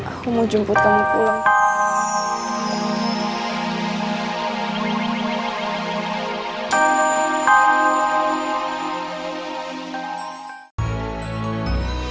aku mau jemput kamu pulang